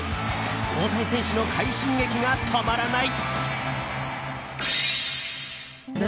大谷選手の快進撃が止まらない。